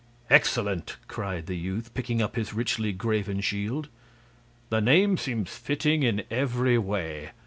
"Excellent!" cried the youth, picking up his richly graven shield. "The name seems fitting in every way.